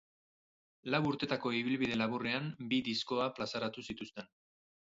Lau urtetako ibilbide laburrean bi diskoa plazaratu zituzten.